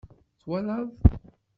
Tmaleḍ.